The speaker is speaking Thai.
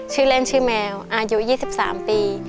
ชื่อเล่นชื่อแมวอายุ๒๓ปี